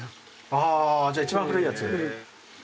あじゃあ一番古いやつ。